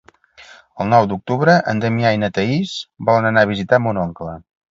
El nou d'octubre en Damià i na Thaís volen anar a visitar mon oncle.